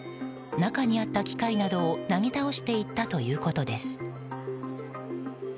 中にあった機械などをなぎ倒していったということです。